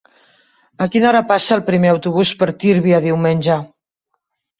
A quina hora passa el primer autobús per Tírvia diumenge?